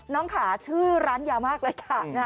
ค่ะชื่อร้านยาวมากเลยค่ะ